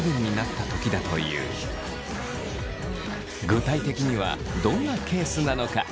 具体的にはどんなケースなのか？